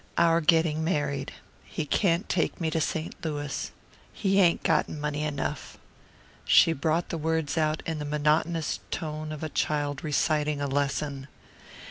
"Our getting married. He can't take me to St. Louis. He ain't got money enough." She brought the words out in the monotonous tone of a child reciting a lesson.